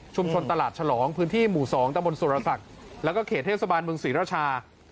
ตลาดฉลองพื้นที่หมู่๒ตะบนสุรศักดิ์แล้วก็เขตเทศบาลเมืองศรีราชา